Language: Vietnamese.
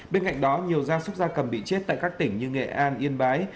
bên cạnh đó nhiều gia súc gia cầm bị chết tại các tỉnh như nghệ an yên bái